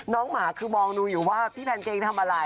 น้องหมาก็มองดูจุดว่าพี่แพนเค้กทำอะไร